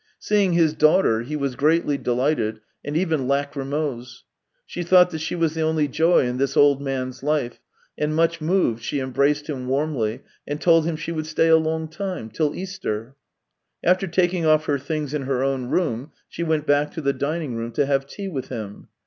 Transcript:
Seeing his daughter, he was greatly delighted, and even lacrymose. She thought that she was the only joy in this old man's life, and much moved, she embraced him warmly, and told him she would stay a long time — till Easter. After taking off her things in her own room, she went back to the dining room to have tea with him.